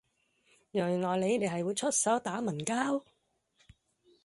原來你哋係會出打手文架